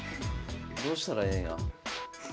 どうしたらええんや。